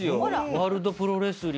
『ワールドプロレスリング』で。